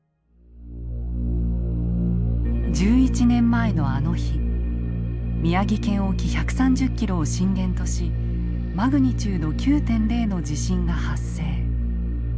１１年前のあの日宮城県沖１３０キロを震源としマグニチュード９．０の地震が発生。